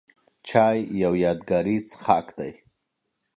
چای یو یادګاري څښاک دی.